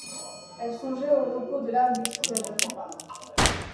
Elle songeait au repos de l'âme détruit à jamais.